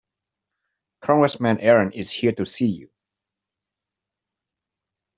Congressman Aaron is here to see you.